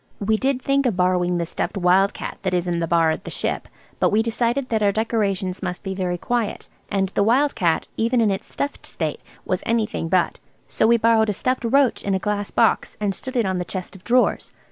We did think of borrowing the stuffed wild cat that is in the bar at the "Ship," but we decided that our decorations must be very quiet–and the wild cat, even in its stuffed state, was anything but; so we borrowed a stuffed roach in a glass box and stood it on the chest of drawers.